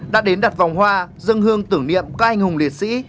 đã đến đặt vòng hoa dân hương tưởng niệm các anh hùng liệt sĩ